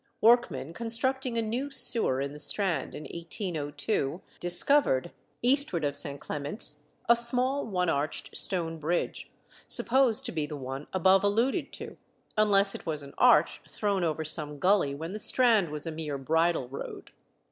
Workmen constructing a new sewer in the Strand, in 1802, discovered, eastward of St. Clement's, a small, one arched stone bridge, supposed to be the one above alluded to, unless it was an arch thrown over some gully when the Strand was a mere bridle road.